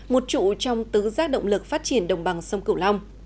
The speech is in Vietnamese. một trụ trong tứ giác động lực phát triển đồng bằng sông cửu long